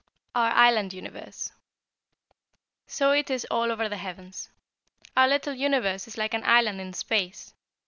OUR ISLAND UNIVERSE. "So it is all over the heavens. Our little universe is like an island in space.